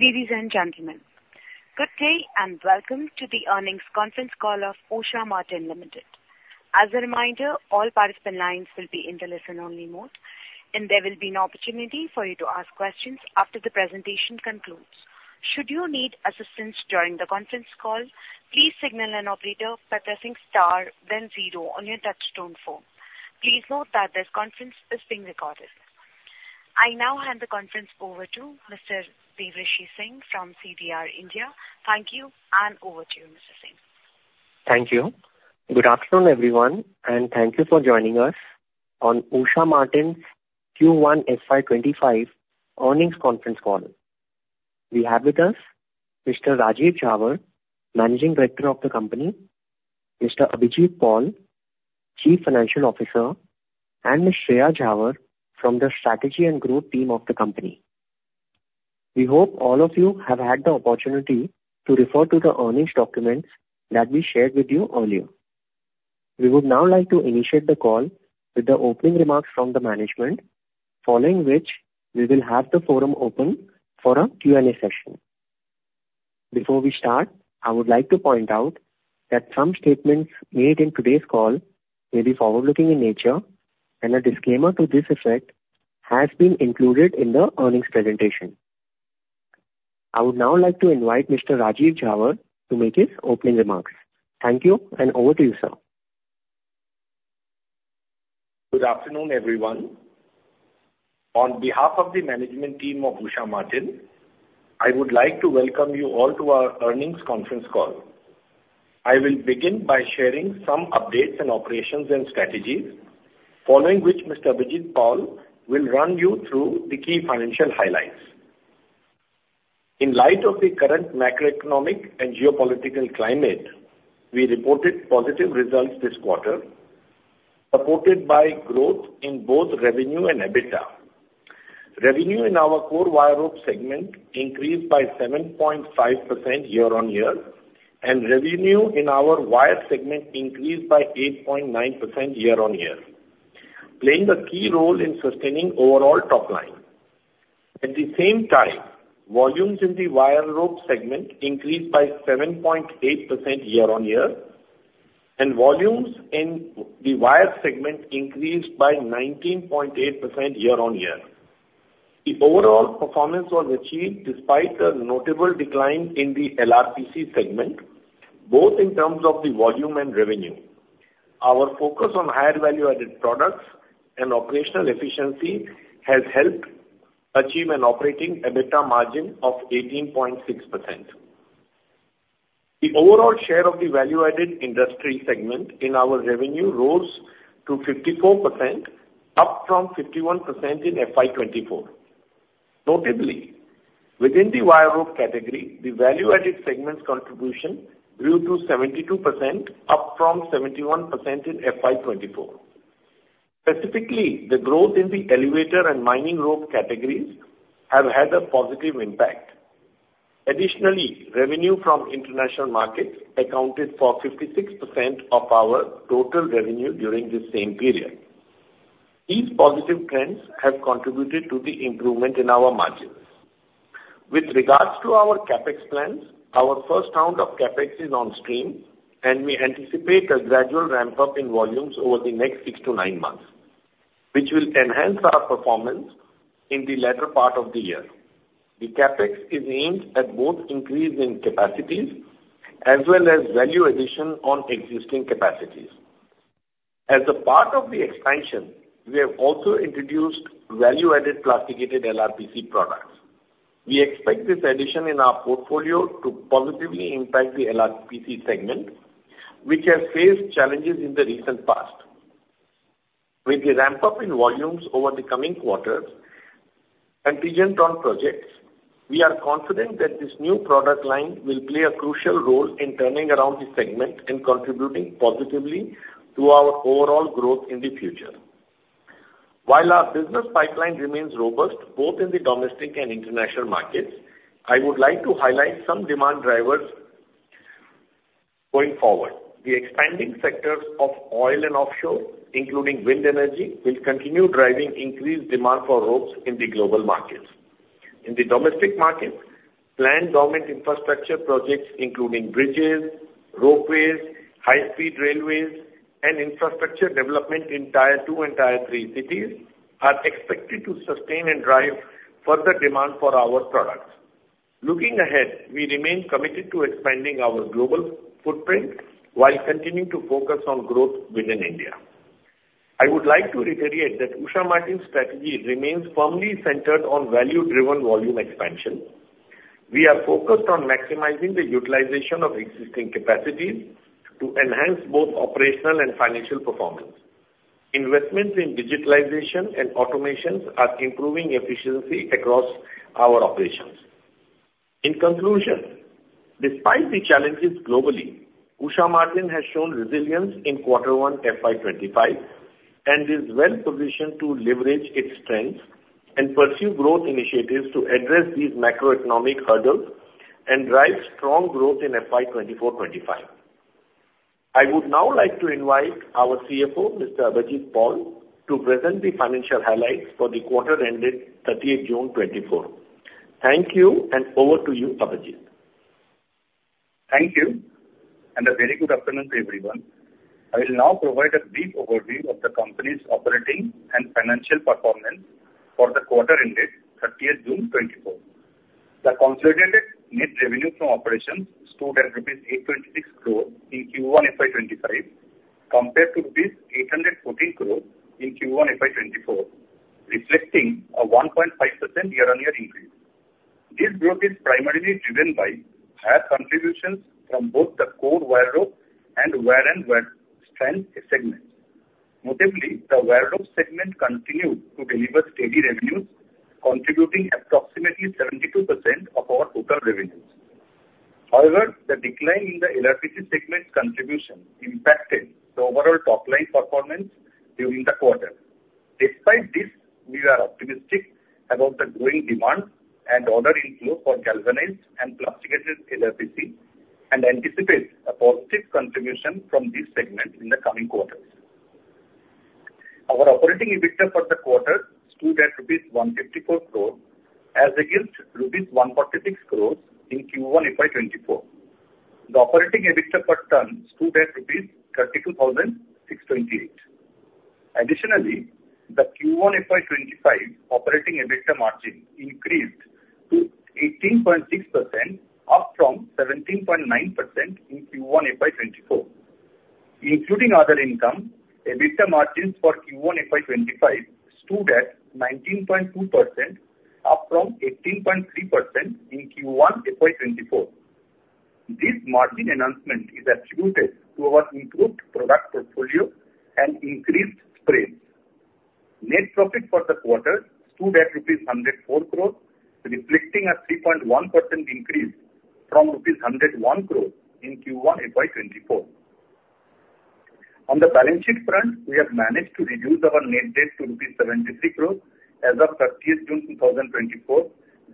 Ladies and gentlemen, good day, and welcome to the earnings conference call of Usha Martin Limited. As a reminder, all participant lines will be in the listen-only mode, and there will be an opportunity for you to ask questions after the presentation concludes. Should you need assistance during the conference call, please signal an operator by pressing star then zero on your touchtone phone. Please note that this conference is being recorded. I now hand the conference over to Mr. Devrishi Singh from CDR India. Thank you, and over to you, Mr. Singh. Thank you. Good afternoon, everyone, and thank you for joining us on Usha Martin's Q1 FY 2025 earnings conference call. We have with us Mr. Rajeev Jhawar, Managing Director of the company, Mr. Abhijit Paul, Chief Financial Officer, and Ms. Shreya Jhawar from the Strategy and Growth team of the company. We hope all of you have had the opportunity to refer to the earnings documents that we shared with you earlier. We would now like to initiate the call with the opening remarks from the management, following which we will have the forum open for a Q&A session. Before we start, I would like to point out that some statements made in today's call may be forward-looking in nature, and a disclaimer to this effect has been included in the earnings presentation. I would now like to invite Mr. Rajeev Jhawar to make his opening remarks. Thank you, and over to you, sir. Good afternoon, everyone. On behalf of the management team of Usha Martin, I would like to welcome you all to our earnings conference call. I will begin by sharing some updates on operations and strategies, following which Mr. Abhijit Paul will run you through the key financial highlights. In light of the current macroeconomic and geopolitical climate, we reported positive results this quarter, supported by growth in both revenue and EBITDA. Revenue in our core wire rope segment increased by 7.5% year-on-year, and revenue in our wire segment increased by 8.9% year-on-year, playing the key role in sustaining overall top line. At the same time, volumes in the wire rope segment increased by 7.8% year-on-year, and volumes in the wire segment increased by 19.8% year-on-year. The overall performance was achieved despite a notable decline in the LRPC segment, both in terms of the volume and revenue. Our focus on higher value-added products and operational efficiency has helped achieve an operating EBITDA margin of 18.6%. The overall share of the value-added industry segment in our revenue rose to 54%, up from 51% in FY 2024. Notably, within the wire rope category, the value-added segments contribution grew to 72%, up from 71% in FY 2024. Specifically, the growth in the elevator and mining rope categories have had a positive impact. Additionally, revenue from international markets accounted for 56% of our total revenue during the same period. These positive trends have contributed to the improvement in our margins. With regards to our CapEx plans, our first round of CapEx is on stream, and we anticipate a gradual ramp-up in volumes over the next 6-9 months, which will enhance our performance in the latter part of the year. The CapEx is aimed at both increasing capacities as well as value addition on existing capacities. As a part of the expansion, we have also introduced value-added plasticated LRPC products. We expect this addition in our portfolio to positively impact the LRPC segment, which has faced challenges in the recent past. With the ramp-up in volumes over the coming quarters and recent on projects, we are confident that this new product line will play a crucial role in turning around the segment and contributing positively to our overall growth in the future. While our business pipeline remains robust, both in the domestic and international markets, I would like to highlight some demand drivers going forward. The expanding sectors of oil and offshore, including wind energy, will continue driving increased demand for ropes in the global markets. In the domestic market, planned government infrastructure projects, including bridges, ropeways, high-speed railways, and infrastructure development in Tier Two and Tier Three cities, are expected to sustain and drive further demand for our products. Looking ahead, we remain committed to expanding our global footprint while continuing to focus on growth within India. I would like to reiterate that Usha Martin's strategy remains firmly centered on value-driven volume expansion. We are focused on maximizing the utilization of existing capacities to enhance both operational and financial performance. Investments in digitalization and automations are improving efficiency across our operations. In conclusion, despite the challenges globally, Usha Martin has shown resilience in quarter one, FY 2025, and is well positioned to leverage its strengths and pursue growth initiatives to address these macroeconomic hurdles and drive strong growth in FY 2024-2025.... I would now like to invite our CFO, Mr. Abhijit Paul, to present the financial highlights for the quarter ended thirtieth June 2024. Thank you, and over to you, Abhijit. Thank you, and a very good afternoon to everyone. I will now provide a brief overview of the company's operating and financial performance for the quarter ended thirtieth June 2024. The consolidated net revenue from operations stood at rupees 826 crore in Q1 FY 2025, compared to rupees 814 crore in Q1 FY 2024, reflecting a 1.5% year-on-year increase. This growth is primarily driven by higher contributions from both the core wire rope and wire and strand segments. Notably, the wire rope segment continued to deliver steady revenues, contributing approximately 72% of our total revenues. However, the decline in the LRPC segment contribution impacted the overall top-line performance during the quarter. Despite this, we are optimistic about the growing demand and order inflow for galvanized and plasticated LRPC, and anticipate a positive contribution from this segment in the coming quarters. Our operating EBITDA for the quarter stood at INR 154 crore, as against INR 146 crore in Q1 FY 2024. The operating EBITDA per ton stood at INR 32,628. Additionally, the Q1 FY 2025 operating EBITDA margin increased to 18.6%, up from 17.9% in Q1 FY 2024. Including other income, EBITDA margins for Q1 FY 2025 stood at 19.2%, up from 18.3% in Q1 FY 2024. This margin enhancement is attributed to our improved product portfolio and increased spreads. Net profit for the quarter stood at rupees 104 crore, reflecting a 3.1% increase from rupees 101 crore in Q1 FY 2024. On the balance sheet front, we have managed to reduce our net debt to rupees 73 crore as of 30th June 2024,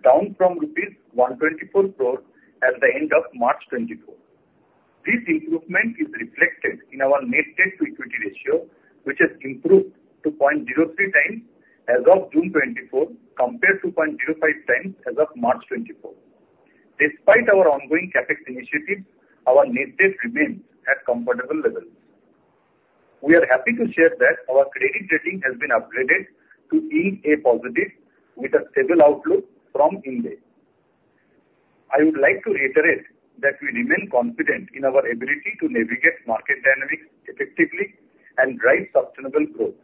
down from rupees 124 crore at the end of March 2024. This improvement is reflected in our net debt to equity ratio, which has improved to 0.03x as of June 2024, compared to 0.05x as of March 2024. Despite our ongoing CapEx initiatives, our net debt remains at comfortable levels. We are happy to share that our credit rating has been upgraded to EA Positive with a stable outlook from India. I would like to reiterate that we remain confident in our ability to navigate market dynamics effectively and drive sustainable growth.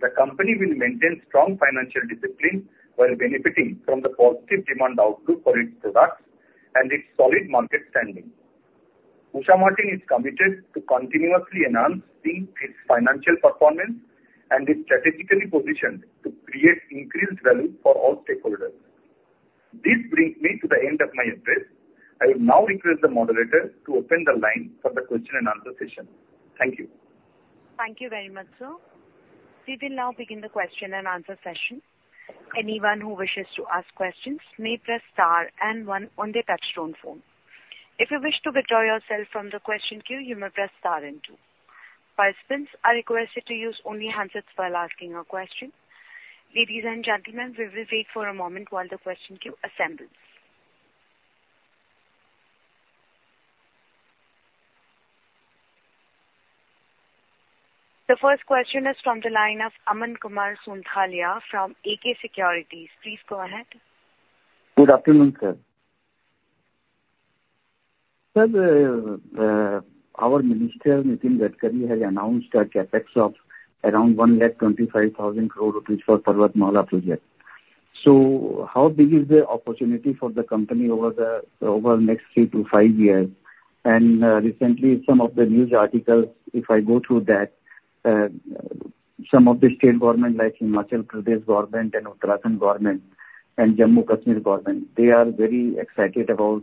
The company will maintain strong financial discipline while benefiting from the positive demand outlook for its products and its solid market standing. Usha Martin is committed to continuously enhancing its financial performance and is strategically positioned to create increased value for all stakeholders. This brings me to the end of my address. I will now request the moderator to open the line for the question and answer session. Thank you. Thank you very much, sir. We will now begin the question and answer session. Anyone who wishes to ask questions may press star and one on their touchtone phone. If you wish to withdraw yourself from the question queue, you may press star and two. Participants are requested to use only handsets while asking a question. Ladies and gentlemen, we will wait for a moment while the question queue assembles. The first question is from the line of Aman Kumar Sonthalia from AK Securities. Please go ahead. Good afternoon, sir. Sir, our minister, Nitin Gadkari, has announced a CapEx of around 1,25,000 crore rupees for Parvatmala project. So how big is the opportunity for the company over the next 3-5 years? And, recently, some of the news articles, if I go through that, some of the state government, like Himachal Pradesh government and Uttarakhand government and Jammu and Kashmir government, they are very excited about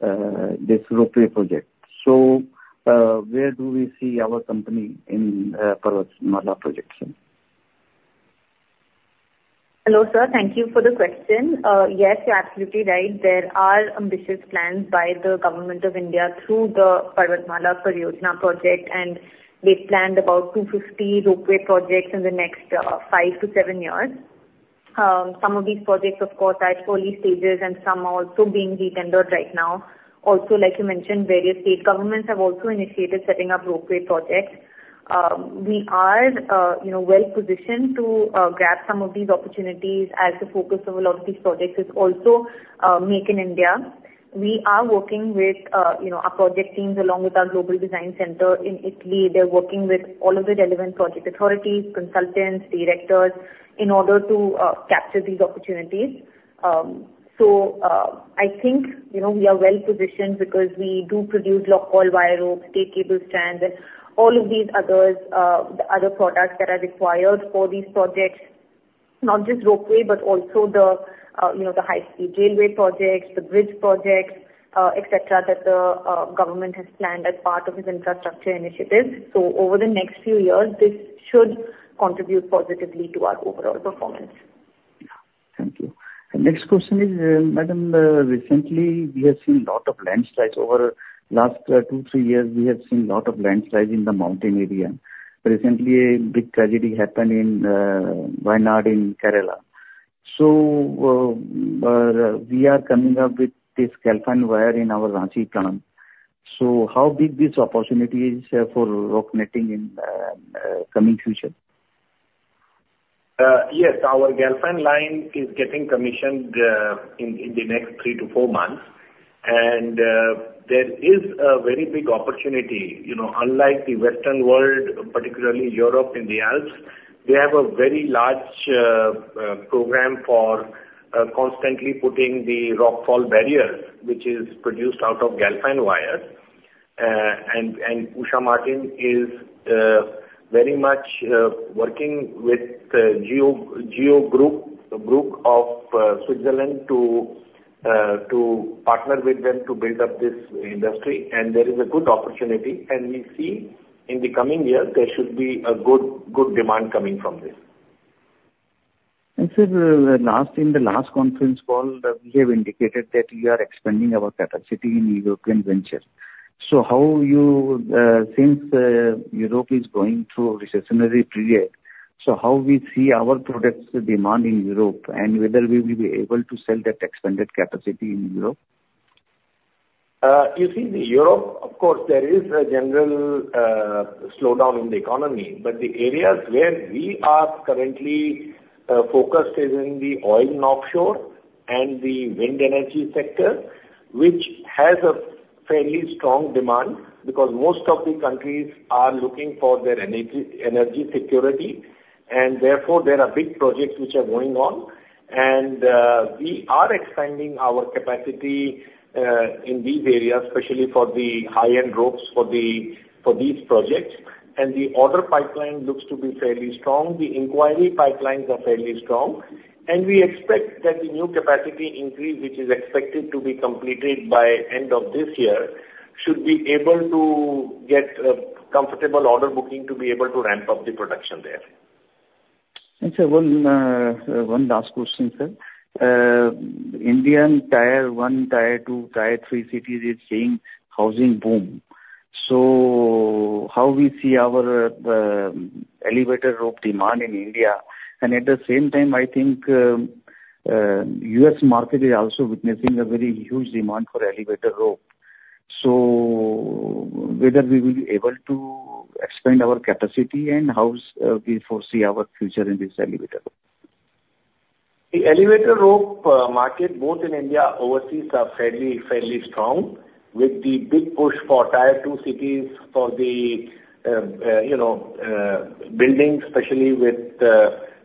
this ropeway project. So, where do we see our company in Parvatmala projects? Hello, sir, thank you for the question. Yes, you're absolutely right. There are ambitious plans by the government of India through the Parvatmala Pariyojana project, and they've planned about 250 ropeway projects in the next 5-7 years. Some of these projects, of course, are at early stages, and some are also being re-tendered right now. Also, like you mentioned, various state governments have also initiated setting up ropeway projects. We are, you know, well positioned to grab some of these opportunities as the focus of a lot of these projects is also Make in India. We are working with, you know, our project teams along with our global design center in Italy. They're working with all of the relevant project authorities, consultants, directors, in order to capture these opportunities. So, I think, you know, we are well positioned because we do produce locked coil wire ropes, cable strands, and all of these others, the other products that are required for these projects. Not just ropeway, but also the, you know, the high-speed railway projects, the bridge projects, et cetera, that the, government has planned as part of its infrastructure initiatives. So over the next few years, this should contribute positively to our overall performance. ...Thank you. Next question is, madam, recently we have seen lot of landslides over last 2-3 years, we have seen lot of landslides in the mountain area. Recently, a big tragedy happened in Wayanad in Kerala. So, we are coming up with this Galfan wire in our Ranchi plant. So how big this opportunity is for rock netting in coming future? Yes, our Galfan line is getting commissioned in the next three to four months. There is a very big opportunity. You know, unlike the Western world, particularly Europe and the Alps, they have a very large program for constantly putting the rockfall barriers, which is produced out of Galfan wire. Usha Martin is very much working with the Geo Group, a group of Switzerland to partner with them to build up this industry, and there is a good opportunity. We see in the coming years there should be a good demand coming from this. Sir, in the last conference call, we have indicated that we are expanding our capacity in European venture. So how you, since, Europe is going through a recessionary period, so how we see our products demand in Europe, and whether we will be able to sell that expanded capacity in Europe? You see, in Europe, of course, there is a general slowdown in the economy, but the areas where we are currently focused is in the oil and offshore and the wind energy sector, which has a fairly strong demand because most of the countries are looking for their energy, energy security, and therefore there are big projects which are going on. And we are expanding our capacity in these areas, especially for the high-end ropes for the, for these projects. And the order pipeline looks to be fairly strong. The inquiry pipelines are fairly strong. And we expect that the new capacity increase, which is expected to be completed by end of this year, should be able to get comfortable order booking to be able to ramp up the production there. And sir, one last question, sir. Indian Tier One, Tier Two, Tier Three cities is seeing housing boom. So how we see our elevator rope demand in India? And at the same time, I think, U.S. market is also witnessing a very huge demand for elevator rope. So whether we will be able to expand our capacity and how we foresee our future in this elevator? The elevator rope market, both in India, overseas, are fairly, fairly strong. With the big push for Tier Two cities, for the, you know, building, especially with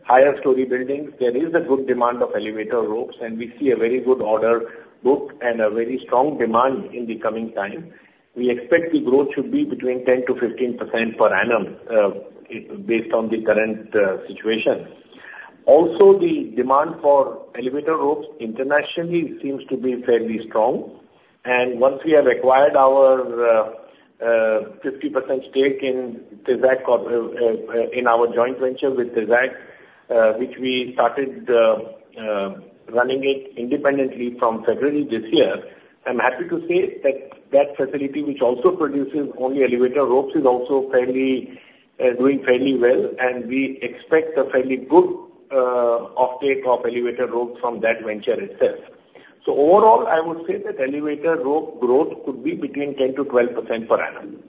higher story buildings, there is a good demand of elevator ropes, and we see a very good order book and a very strong demand in the coming time. We expect the growth should be between 10%-15% per annum, based on the current situation. Also, the demand for elevator ropes internationally seems to be fairly strong, and once we have acquired our 50% stake in TESAC Corporation... In our joint venture with Tesac, which we started, running it independently from February this year, I'm happy to say that that facility, which also produces only elevator ropes, is also fairly doing fairly well, and we expect a fairly good offtake of elevator ropes from that venture itself. So overall, I would say that elevator rope growth could be between 10%-12% per annum.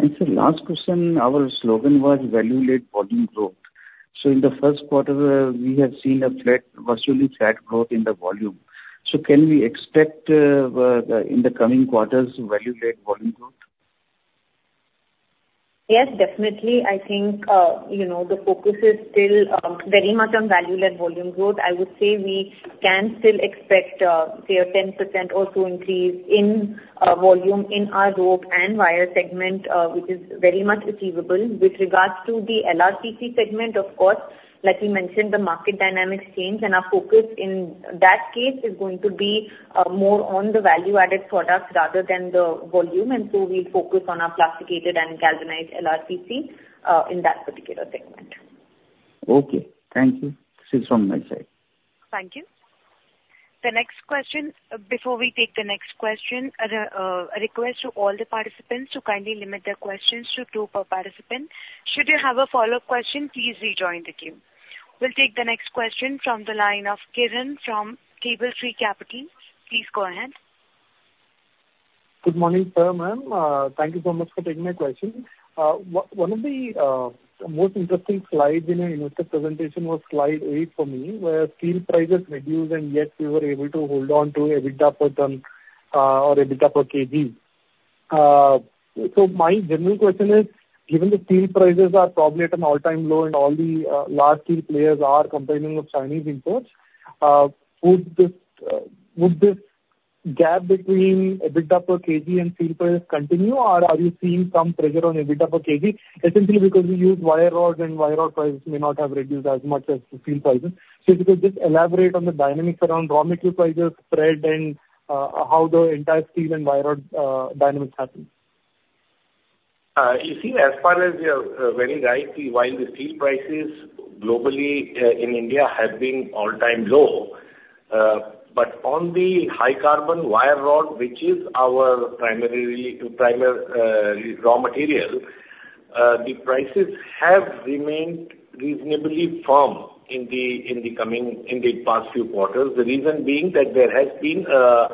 Sir, last question. Our slogan was value-led volume growth. So in the first quarter, we have seen a flat, virtually flat growth in the volume. So can we expect, in the coming quarters, value-led volume growth? Yes, definitely. I think, you know, the focus is still, very much on value-led volume growth. I would say we can still expect, say, a 10% or so increase in, volume in our rope and wire segment, which is very much achievable. With regards to the LRPC segment, of course, like you mentioned, the market dynamics change, and our focus in that case is going to be, more on the value-added products rather than the volume, and so we'll focus on our plasticated and galvanized LRPC, in that particular segment. Okay. Thank you. That's all from my side. Thank you. The next question. Before we take the next question, a request to all the participants to kindly limit their questions to two per participant. Should you have a follow-up question, please rejoin the queue. We'll take the next question from the line of Kiran from Cable Street Capital. Please go ahead. Good morning, sir, ma'am. Thank you so much for taking my question. One of the most interesting slides in your investor presentation was slide 8 for me, where steel prices reduced and yet you were able to hold on to EBITDA per ton, or EBITDA per kg. So my general question is, given the steel prices are probably at an all-time low and all the large steel players are complaining of Chinese imports, would this gap between EBITDA per kg and steel price continue, or are you seeing some pressure on EBITDA per kg, essentially because you use wire rod, and wire rod prices may not have reduced as much as the steel prices? If you could just elaborate on the dynamics around raw material prices, spread, and how the entire steel and wire rod dynamics happen? ... You see, as far as you are very right, while the steel prices globally in India have been all-time low, but on the high carbon wire rod, which is our primary raw material, the prices have remained reasonably firm in the past few quarters. The reason being that there has been a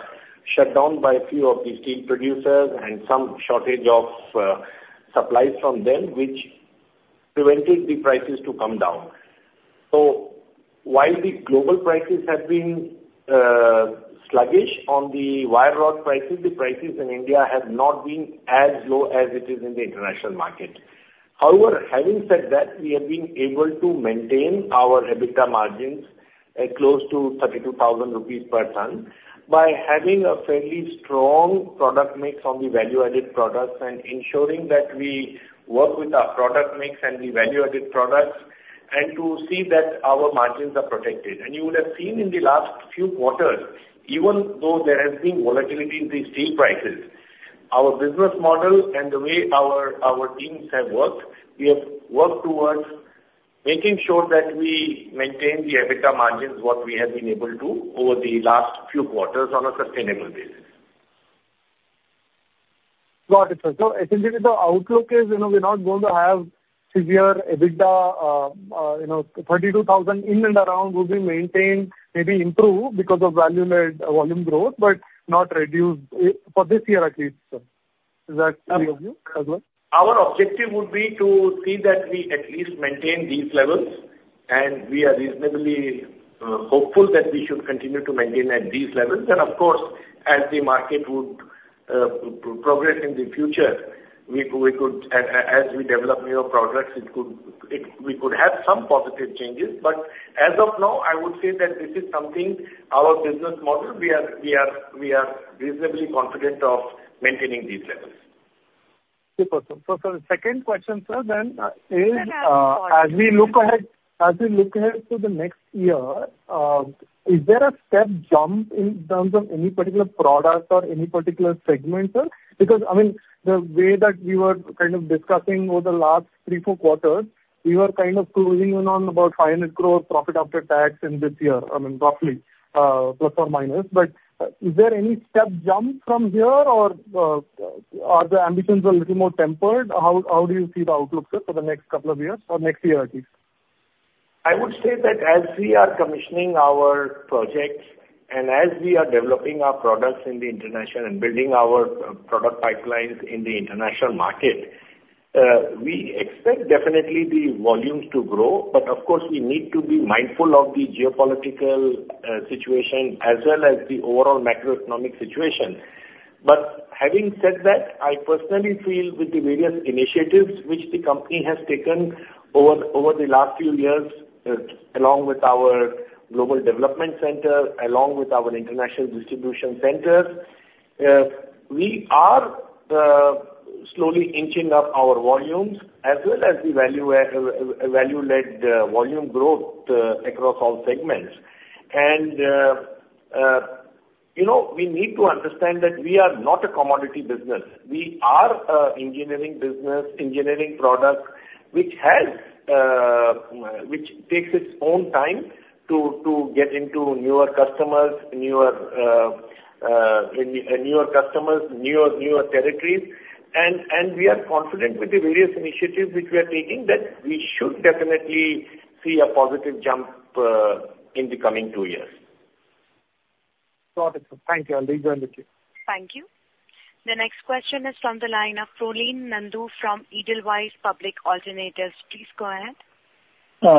shutdown by a few of the steel producers and some shortage of supplies from them, which prevented the prices to come down. So while the global prices have been sluggish on the wire rod prices, the prices in India have not been as low as it is in the international market. However, having said that, we have been able to maintain our EBITDA margins at close to 32,000 rupees per ton by having a fairly strong product mix on the value-added products and ensuring that we work with our product mix and the value-added products, and to see that our margins are protected. You would have seen in the last few quarters, even though there has been volatility in the steel prices, our business model and the way our teams have worked, we have worked towards making sure that we maintain the EBITDA margins, what we have been able to over the last few quarters on a sustainable basis. Got it, sir. So essentially, the outlook is, you know, we're not going to have severe EBITDA, you know, 32,000 in and around will be maintained, maybe improved because of value-added volume growth, but not reduced, for this year, at least, sir. Is that clear with you as well? Our objective would be to see that we at least maintain these levels, and we are reasonably hopeful that we should continue to maintain at these levels. And of course, as the market would progress in the future, we could as we develop newer products, it could, we could have some positive changes. But as of now, I would say that this is something, our business model, we are reasonably confident of maintaining these levels. Super, sir. So, sir, the second question, sir, then, is, as we look ahead, as we look ahead to the next year, is there a step jump in terms of any particular product or any particular segment, sir? Because, I mean, the way that we were kind of discussing over the last three, four quarters, we were kind of closing in on about 500 crore profit after tax in this year, I mean, roughly, plus or minus. But, is there any step jump from here, or, are the ambitions a little more tempered? How, how do you see the outlook, sir, for the next couple of years or next year at least? I would say that as we are commissioning our projects and as we are developing our products in the international and building our product pipelines in the international market, we expect definitely the volumes to grow. But of course, we need to be mindful of the geopolitical situation as well as the overall macroeconomic situation. But having said that, I personally feel with the various initiatives which the company has taken over the last few years, along with our global development center, along with our international distribution centers, we are slowly inching up our volumes as well as the value-led volume growth across all segments. You know, we need to understand that we are not a commodity business. We are an engineering business, engineering product, which takes its own time to get into newer customers, newer territories. We are confident with the various initiatives which we are taking that we should definitely see a positive jump in the coming two years. Got it, sir. Thank you. I'll leave it with you. Thank you. The next question is from the line of Prolin Nandu from Edelweiss Alternate Assets. Please go ahead.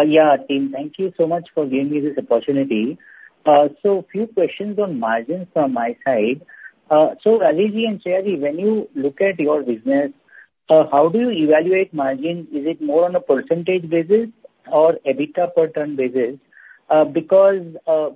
Yeah, team, thank you so much for giving me this opportunity. So a few questions on margins from my side. So Rajiv and Shreya, when you look at your business, how do you evaluate margin? Is it more on a percentage basis or EBITDA per ton basis? Because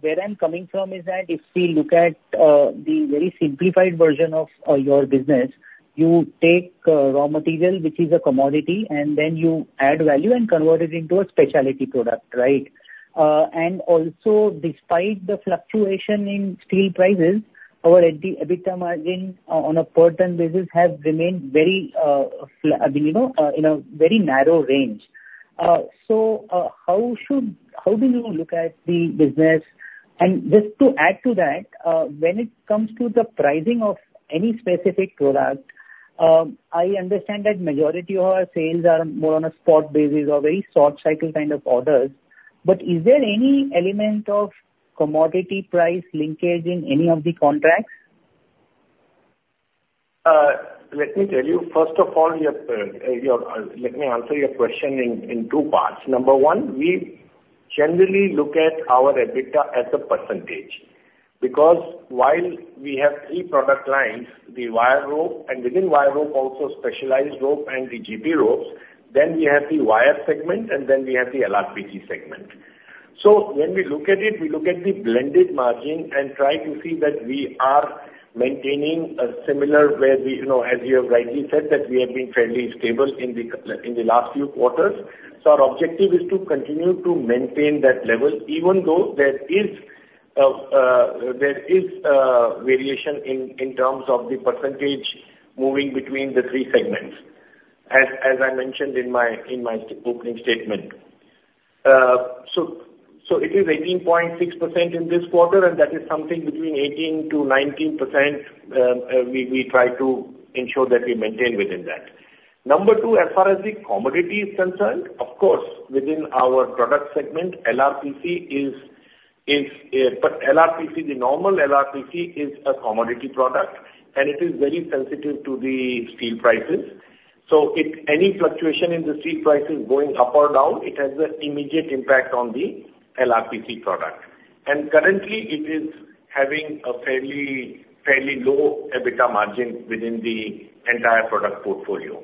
where I'm coming from is that if we look at the very simplified version of your business, you take raw material, which is a commodity, and then you add value and convert it into a specialty product, right? And also, despite the fluctuation in steel prices, our EBITDA margin on a per ton basis has remained very, you know, in a very narrow range. So how do you look at the business? Just to add to that, when it comes to the pricing of any specific product, I understand that majority of our sales are more on a spot basis or very short cycle kind of orders, but is there any element of commodity price linkage in any of the contracts? Let me answer your question in two parts. Number one, we generally look at our EBITDA as a percentage, because while we have three product lines, the wire rope, and within wire rope also specialized rope and the GP ropes, then we have the wire segment, and then we have the LRPC segment. So when we look at it, we look at the blended margin and try to see that we are maintaining a similar, where we, you know, as you have rightly said, that we have been fairly stable in the last few quarters. So our objective is to continue to maintain that level, even though there is-... There is a variation in terms of the percentage moving between the three segments, as I mentioned in my opening statement. So it is 18.6% in this quarter, and that is something between 18%-19%. We try to ensure that we maintain within that. Number two, as far as the commodity is concerned, of course, within our product segment, LRPC is but LRPC, the normal LRPC, is a commodity product, and it is very sensitive to the steel prices. So if any fluctuation in the steel prices going up or down, it has an immediate impact on the LRPC product. And currently it is having a fairly low EBITDA margin within the entire product portfolio.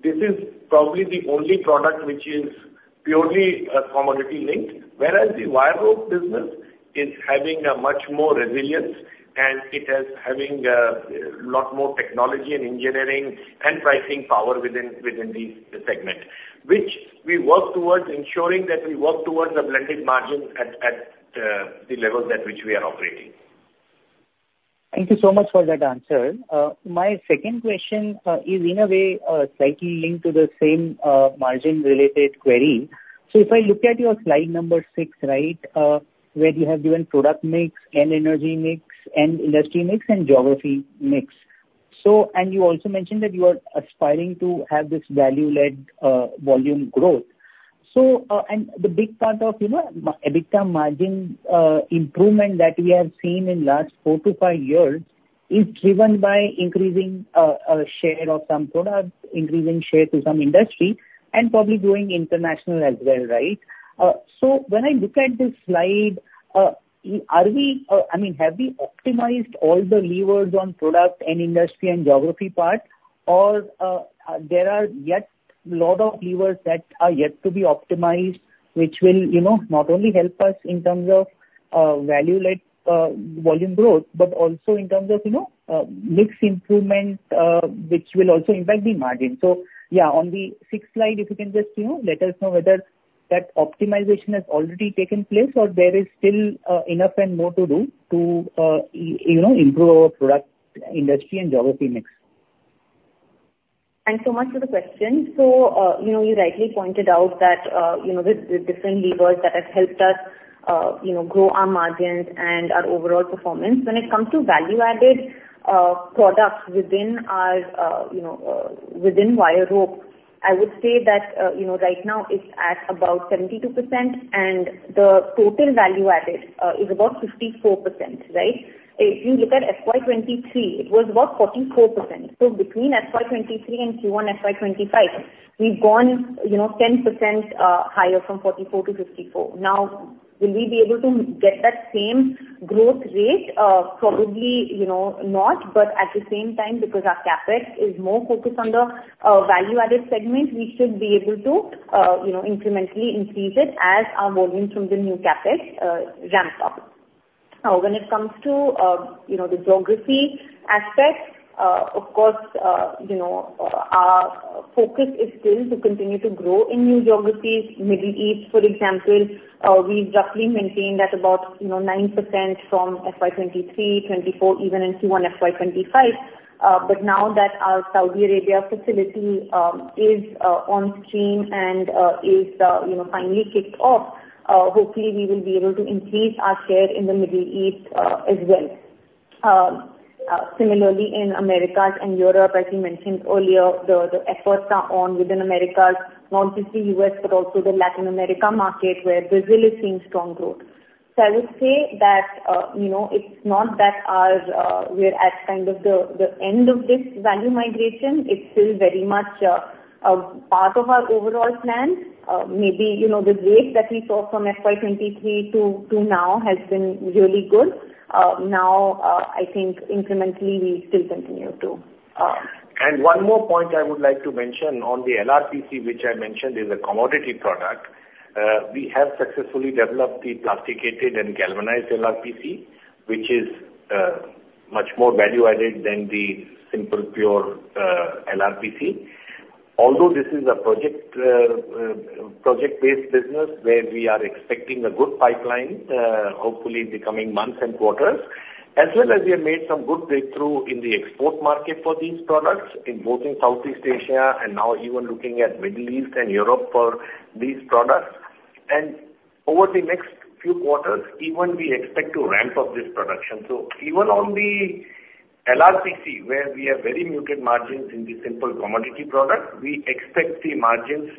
This is probably the only product which is purely a commodity link, whereas the wire rope business is having a much more resilience, and it is having a lot more technology and engineering and pricing power within the segment, which we work towards ensuring that the blended margins at the levels at which we are operating. Thank you so much for that answer. My second question is in a way slightly linked to the same margin-related query. So if I look at your slide number six, right, where you have given product mix and energy mix and industry mix and geography mix. So, and you also mentioned that you are aspiring to have this value-led volume growth. So, and the big part of, you know, margin EBITDA margin improvement that we have seen in last 4 to 5 years is driven by increasing a share of some products, increasing share to some industry, and probably going international as well, right? So when I look at this slide, are we, I mean, have we optimized all the levers on product and industry and geography part, or, there are yet a lot of levers that are yet to be optimized, which will, you know, not only help us in terms of, value-led, volume growth, but also in terms of, you know, mix improvement, which will also impact the margin. So, yeah, on the sixth slide, if you can just, you know, let us know whether that optimization has already taken place, or there is still, enough and more to do to, you know, improve our product, industry and geography mix. Thanks so much for the question. So, you know, you rightly pointed out that, you know, the, the different levers that have helped us, you know, grow our margins and our overall performance. When it comes to value-added, products within our, you know, within wire rope, I would say that, you know, right now it's at about 72%, and the total value added, is about 54%, right? If you look at FY 2023, it was about 44%. So between FY 2023 and Q1 FY 2025, we've gone, you know, 10% higher from 44% to 54%. Now, will we be able to get that same growth rate? Probably, you know, not, but at the same time, because our CapEx is more focused on the value-added segment, we should be able to, you know, incrementally increase it as our volumes from the new CapEx ramp up. Now, when it comes to, you know, the geography aspect, of course, you know, our focus is still to continue to grow in new geographies. Middle East, for example, we roughly maintained at about, you know, 9% from FY 2023-24, even in Q1 FY 2025. But now that our Saudi Arabia facility is on stream and is, you know, finally kicked off, hopefully, we will be able to increase our share in the Middle East as well. Similarly, in Americas and Europe, as we mentioned earlier, the efforts are on within Americas, not just the U.S., but also the Latin America market, where we're really seeing strong growth. So I would say that, you know, it's not that as, we're at kind of the end of this value migration. It's still very much a part of our overall plan. Maybe, you know, the rate that we saw from FY 2023 to now has been really good. Now, I think incrementally, we still continue to. And one more point I would like to mention on the LRPC, which I mentioned, is a commodity product. We have successfully developed the plasticated and galvanized LRPC, which is much more value-added than the simple, pure LRPC. Although this is a project, project-based business, where we are expecting a good pipeline, hopefully in the coming months and quarters, as well as we have made some good breakthrough in the export market for these products, in both in Southeast Asia and now even looking at Middle East and Europe for these products. And over the next few quarters, even we expect to ramp up this production. So even on the LRPC, where we have very muted margins in the simple commodity product, we expect the margins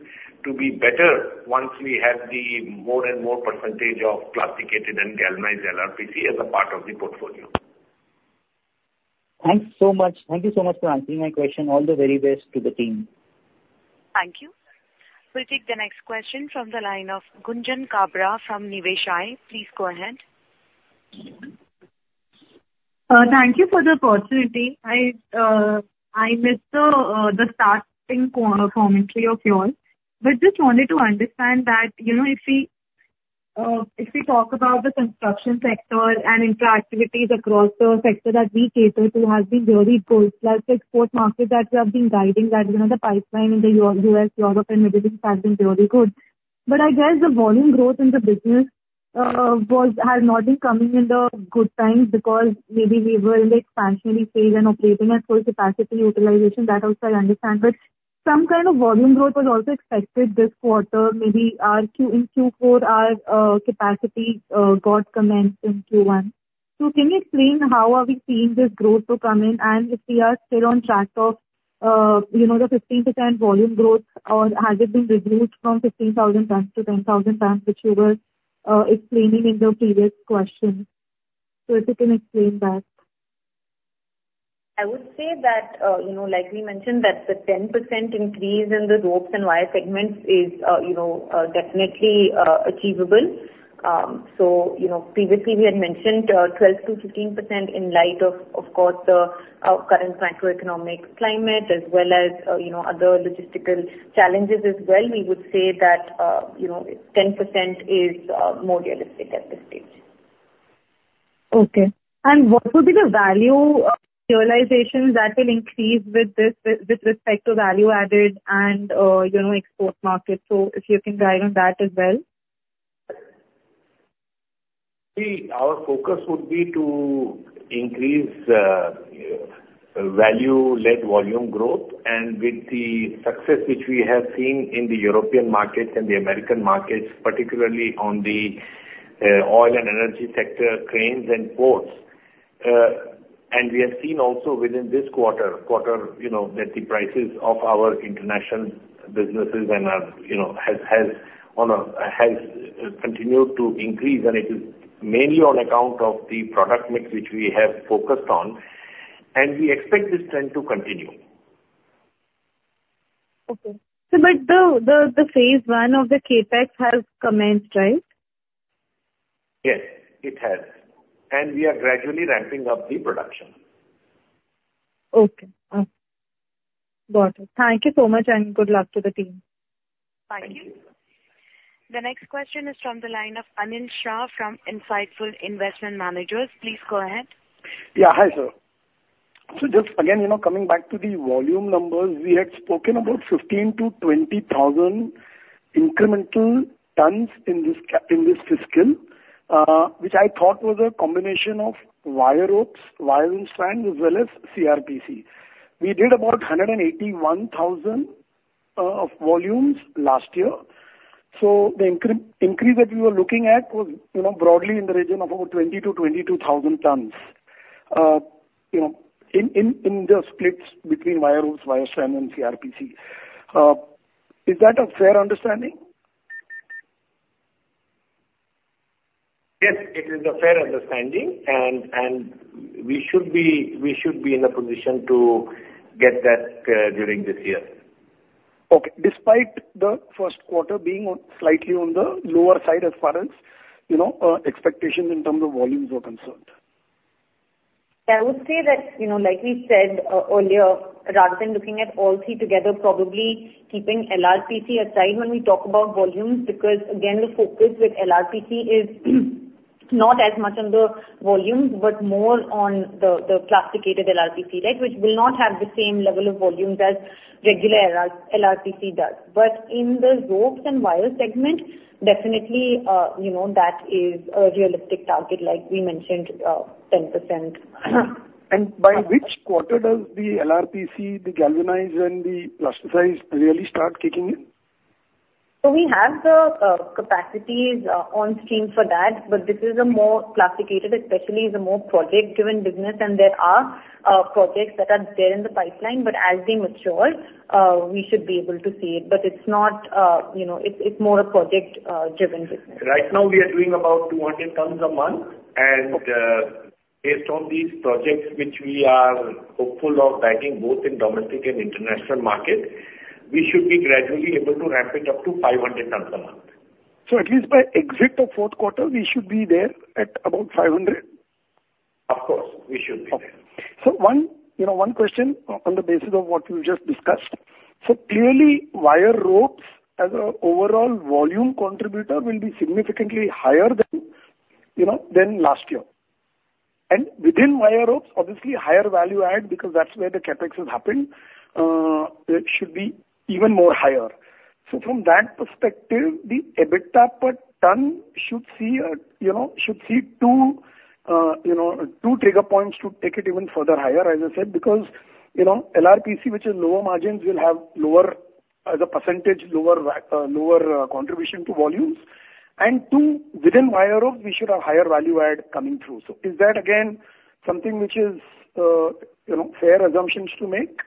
to be better once we have the more and more percentage of plasticated and galvanized LRPC as a part of the portfolio. Thanks so much. Thank you so much for answering my question. All the very best to the team. Thank you. We'll take the next question from the line of Gunjan Kabra from Niveshaay. Please go ahead. Thank you for the opportunity. I missed the starting commentary of yours. But just wanted to understand that, you know, if we talk about the construction sector and infrastructure activities across the sector that we cater to, has been really good. Plus, the export market that you have been guiding, that, you know, the pipeline in the U.S., Europe and Middle East has been really good. But I guess the volume growth in the business had not been coming in the good times because maybe we were in the expansionary stage and operating at full capacity utilization. That also I understand, but some kind of volume growth was also expected this quarter, maybe our Q in Q4, our capacity got commenced in Q1. So can you explain how are we seeing this growth to come in? If we are still on track of, you know, the 15% volume growth, or has it been reduced from 15,000 tons to 10,000 tons, which you were explaining in the previous question? If you can explain that. I would say that, you know, like we mentioned, that the 10% increase in the ropes and wire segments is, you know, definitely, achievable. So, you know, previously we had mentioned, 12%-15% in light of, of course, the our current macroeconomic climate, as well as, you know, other logistical challenges as well. We would say that, you know, 10% is, more realistic at this stage. Okay. And what would be the value of realization that will increase with this, with respect to value added and, you know, export market? So if you can guide on that as well. See, our focus would be to increase value-led volume growth. And with the success which we have seen in the European markets and the American markets, particularly on the oil and energy sector, cranes and ports, and we have seen also within this quarter, you know, that the prices of our international businesses, you know, has continued to increase. And it is mainly on account of the product mix, which we have focused on, and we expect this trend to continue. Okay. But the phase one of the CapEx has commenced, right? Yes, it has. We are gradually ramping up the production. Okay. Got it. Thank you so much, and good luck to the team. Thank you. The next question is from the line of Anil Shah from Insightful Investment Managers. Please go ahead. Yeah. Hi, sir. So just again, you know, coming back to the volume numbers, we had spoken about 15,000-20,000 incremental tons in this fiscal, which I thought was a combination of wire ropes, wire and strand, as well as LRPC. We did about 181,000 of volumes last year, so the increase that we were looking at was, you know, broadly in the region of about 20,000-22,000 tons. You know, in the splits between wire ropes, wire strand and LRPC. Is that a fair understanding? Yes, it is a fair understanding, and we should be in a position to get that during this year. Okay. Despite the first quarter being on, slightly on the lower side, as far as, you know, expectations in terms of volumes are concerned. I would say that, you know, like we said, earlier, rather than looking at all three together, probably keeping LRPC aside when we talk about volumes, because again, the focus with LRPC is not as much on the volumes, but more on the, the plasticated LRPC, right? Which will not have the same level of volumes as regular LR, LRPC does. But in the ropes and wire segment, definitely, you know, that is a realistic target, like we mentioned, 10%. By which quarter does the LRPC, the galvanized and the plasticized really start kicking in? So we have the capacities on stream for that, but this is a more plasticated, especially the more project-driven business. And there are projects that are there in the pipeline, but as they mature, we should be able to see it. But it's not, you know, it's, it's more a project driven business. Right now, we are doing about 200 tons a month, and, based on these projects which we are hopeful of bagging, both in domestic and international markets, we should be gradually able to ramp it up to 500 tons a month. At least by exit of fourth quarter, we should be there at about 500? Of course, we should be there. Okay. So one, you know, one question on the basis of what you just discussed. So clearly, wire ropes as a overall volume contributor will be significantly higher than, you know, than last year. And within wire ropes, obviously, higher value add, because that's where the CapEx has happened, it should be even more higher. So from that perspective, the EBITDA per ton should see a, you know, should see two, you know, two trigger points to take it even further higher, as I said. Because, you know, LRPC, which is lower margins, will have lower, as a percentage, lower contribution to volumes, and two, within wire ropes, we should have higher value add coming through. So is that again, something which is, you know, fair assumptions to make?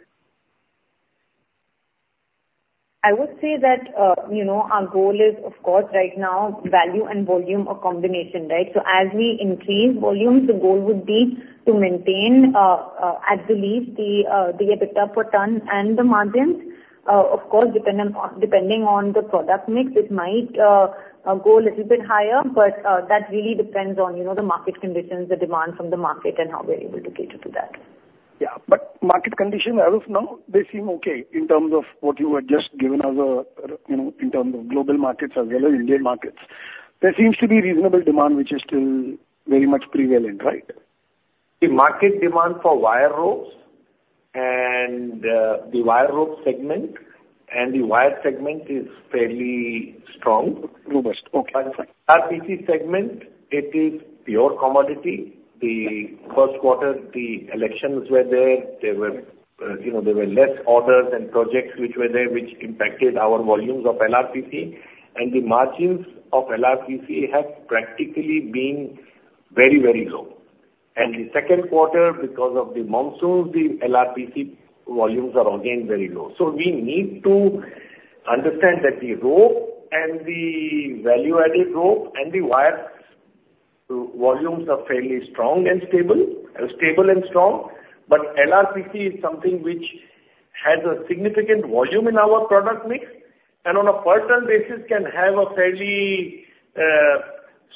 I would say that, you know, our goal is of course, right now, value and volume are combination, right? So as we increase volumes, the goal would be to maintain at least the EBITDA per ton and the margins. Of course, depending on the product mix, it might go a little bit higher, but that really depends on, you know, the market conditions, the demand from the market, and how we're able to cater to that. Yeah, but market condition as of now, they seem okay in terms of what you have just given us, you know, in terms of global markets as well as Indian markets. There seems to be reasonable demand, which is still very much prevalent, right?... The market demand for wire ropes and the wire rope segment and the wire segment is fairly strong. Almost, okay. But LRPC segment, it is pure commodity. The first quarter, the elections were there. There were, you know, there were less orders and projects which were there, which impacted our volumes of LRPC, and the margins of LRPC have practically been very, very low. The second quarter, because of the monsoons, the LRPC volumes are again very low. So we need to understand that the rope and the value-added rope and the wire volumes are fairly strong and stable, stable and strong. But LRPC is something which has a significant volume in our product mix, and on a quarter basis can have a fairly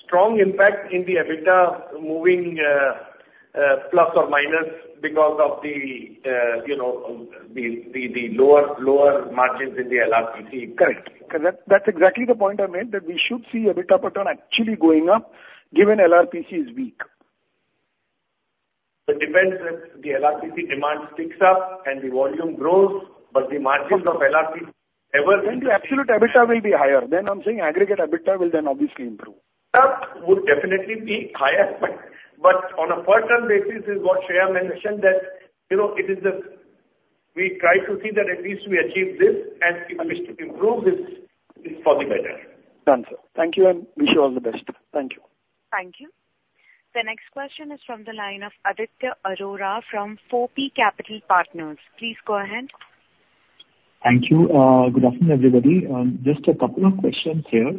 strong impact in the EBITDA moving, plus or minus because of the, you know, the lower margins in the LRPC. Correct. Because that's, that's exactly the point I made, that we should see EBITDA return actually going up, given LRPC is weak. It depends if the LRPC demand picks up and the volume grows, but the margins of LRPC ever- Then the absolute EBITDA will be higher. Then I'm saying aggregate EBITDA will then obviously improve. Up would definitely be higher. But on a quarter basis, is what Shayam mentioned that, you know, it is the... We try to see that at least we achieve this, and if we improve this, it's for the better. Done, sir. Thank you, and wish you all the best. Thank you. Thank you. The next question is from the line of Aditya Arora from P4 Capital Partners. Please go ahead. Thank you. Good afternoon, everybody. Just a couple of questions here.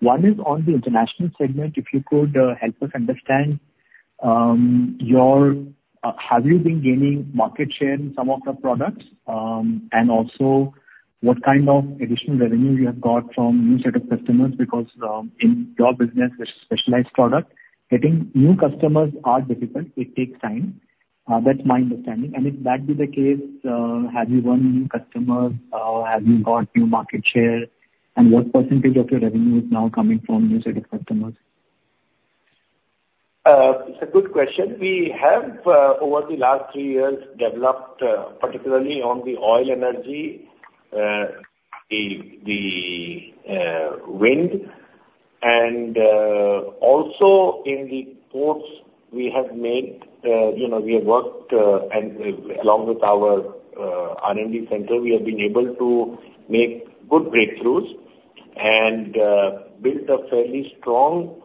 One is on the international segment, if you could help us understand your, have you been gaining market share in some of the products? And also, what kind of additional revenue you have got from new set of customers? Because, in your business, which is specialized product, getting new customers are difficult. It takes time. That's my understanding. And if that be the case, have you won new customers, or have you got new market share? And what percentage of your revenue is now coming from new set of customers? It's a good question. We have, over the last three years, developed, particularly on the oil energy, the wind, and also in the ports, we have made, you know, we have worked, and along with our R&D center, we have been able to make good breakthroughs and build a fairly strong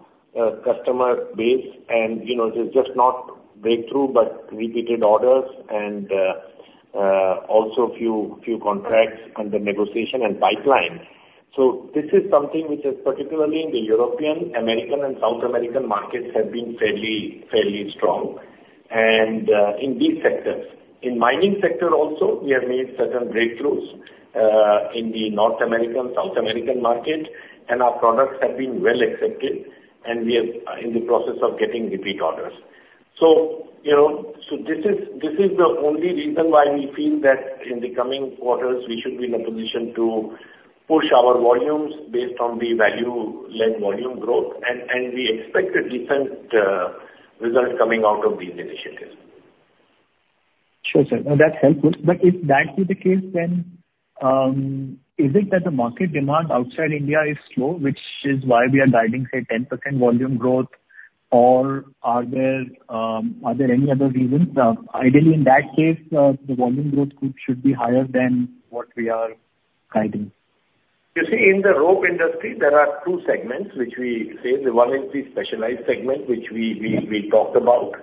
customer base. And, you know, this is just not breakthrough, but repeated orders and also a few contracts under negotiation and pipeline. So this is something which is particularly in the European, American, and South American markets have been fairly strong, and in these sectors. In mining sector also, we have made certain breakthroughs in the North American, South American market, and our products have been well accepted, and we are in the process of getting repeat orders. So, you know, this is the only reason why we feel that in the coming quarters, we should be in a position to push our volumes based on the value and volume growth, and we expect a different result coming out of these initiatives. Sure, sir. That's helpful. But if that is the case, then is it that the market demand outside India is slow, which is why we are guiding, say, 10% volume growth? Or are there any other reasons? Ideally, in that case, the volume growth should be higher than what we are guiding. You see, in the rope industry, there are two segments which we say, the one is the specialized segment, which we talked about.